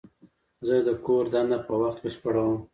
زه د کور دنده په وخت بشپړوم.